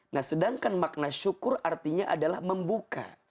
nah sedangkan makna syukur artinya adalah membuka